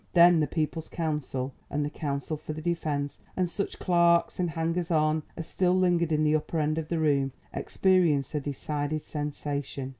Then the People's counsel and the counsel for the Defence and such clerks and hangers on as still lingered in the upper end of the room experienced a decided sensation.